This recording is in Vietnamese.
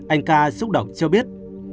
anh ca xúc động cho biết